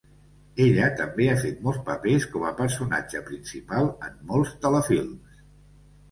Ella també ha fet molts papers com a personatge principal en molts telefilms.